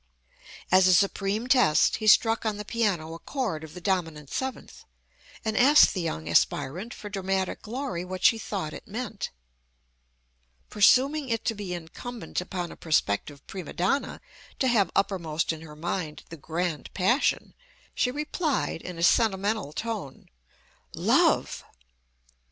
As a supreme test he struck on the piano a chord of the dominant seventh, and asked the young aspirant for dramatic glory what she thought it meant. Presuming it to be incumbent upon a prospective prima donna to have uppermost in her mind the grand passion, she replied, in a sentimental tone, "Love!"